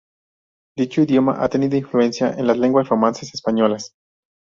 Dicho idioma ha tenido influencia en las lenguas romances españolas.